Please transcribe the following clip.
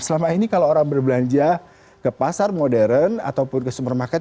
selama ini kalau orang berbelanja ke pasar modern ataupun ke supermarket